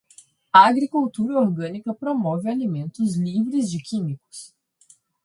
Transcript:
A agricultura orgânica promove alimentos livres de químicos.